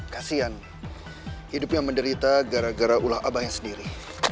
kasian hidupnya menderita gara gara ulah abahnya sendiri